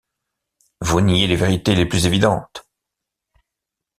Vous niez les vérités les plus évidentes.